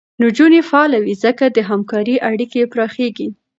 نجونې فعاله وي، ځکه د همکارۍ اړیکې پراخېږي.